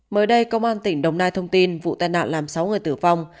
mới đây công an tỉnh đồng nai thông tin vụ tai nạn làm sáu người tử vong